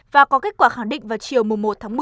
và có kết quả khẳng định vào chiều một tháng một mươi